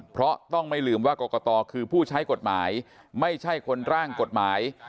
เพราะต้องไม่ลืมว่ากรกตคือผู้ใช้กฎหมายไม่ใช่คนร่างกฎหมาย